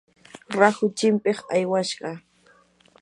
rahu chimpiq aywashqa.